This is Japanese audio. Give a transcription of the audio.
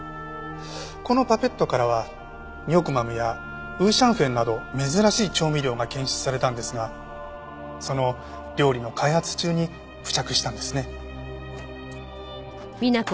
このパペットからはニョクマムや五香粉など珍しい調味料が検出されたんですがその料理の開発中に付着したんですね。